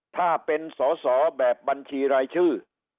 ถ้าเป็นสอสอแบบบัญชีรายชื่อ